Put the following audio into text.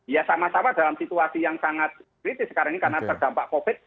ya sama sama dalam situasi yang sangat kritis sekarang ini karena terdampak covid